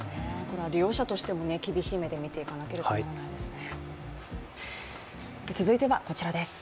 利用者としても厳しい目で見ていかなければならないですね。